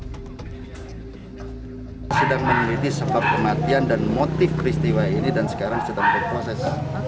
sedang menyelidi sebab kematian dan motif peristiwa ini dan sekarang sedang berproses